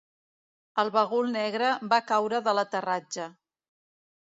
El bagul negre va caure de l'aterratge.